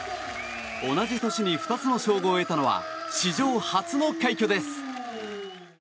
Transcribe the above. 同じ年に２つの称号を得たのは史上初の快挙です。